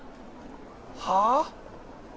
はあ？